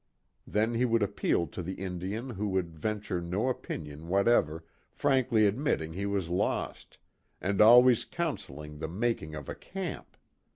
Then he would appeal to the Indian who would venture no opinion whatever, frankly admitting he was lost, and always counseling the making of a camp.